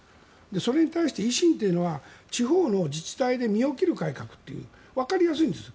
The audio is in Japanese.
それに対して維新というのは地方の自治体で身を切る改革というわかりやすいんです。